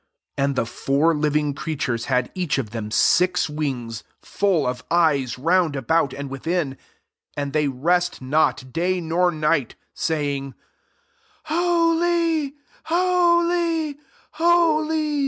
8 And the four living creatures had each of them six wings, full of eyes round about and within: and they rest not day nor night, saying, " Holy, holy, holy.